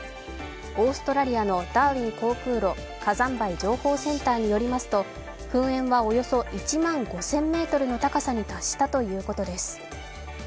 オーストラリアのダーウィン航空路火山灰情報センターによりますと、噴煙はおよそ１万５０００ｍの高さに達したということです。